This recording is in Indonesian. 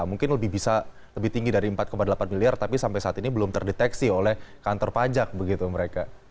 mungkin lebih bisa lebih tinggi dari empat delapan miliar tapi sampai saat ini belum terdeteksi oleh kantor pajak begitu mereka